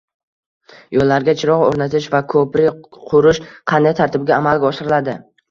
Yo‘llarga chiroq o‘rnatish va ko‘prik qurish qanday tartibda amalga oshiriladi?